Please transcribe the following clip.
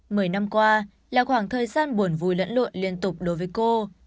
mười năm qua là khoảng thời gian buồn vui lẫn lộn liên tục đối với cô